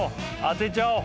当てちゃおう。